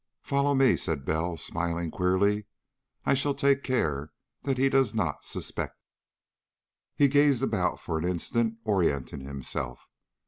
"Follow me," said Bell, smiling queerly. "I shall take care that he does not suspect it." He gazed about for an instant, orienting himself.